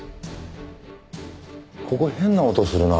ここ変な音するな。